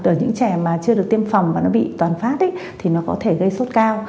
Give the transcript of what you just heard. ở những trẻ mà chưa được tiêm phòng và nó bị toàn phát thì nó có thể gây sốt cao